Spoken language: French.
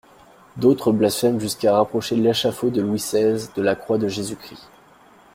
D'autres blasphèment jusqu'à rapprocher l'échafaud de Louis seize de la croix de Jésus-Christ.